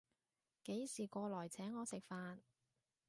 幾時過來請我食飯